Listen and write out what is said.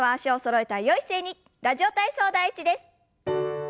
「ラジオ体操第１」です。